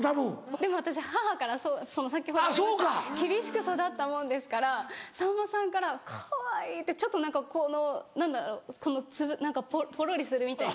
でも私母から先ほど言いました厳しく育ったもんですからさんまさんから「かわいい」ってちょっと何かこの何だろう何かぽろりするみたいな。